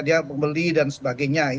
dia membeli dan sebagainya